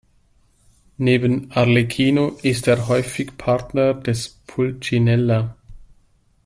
Neben Arlecchino ist er häufig Partner des Pulcinella.